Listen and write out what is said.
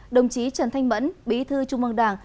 đồng chí trần thanh mẫn bí thư trung mong đảng